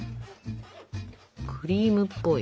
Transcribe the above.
クリームっぽい。